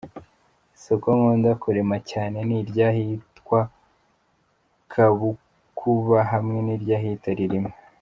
Isoko nkunda kurema cyane ni iry’ahitwa Kabukuba hamwe n’iryahitwa Rilima.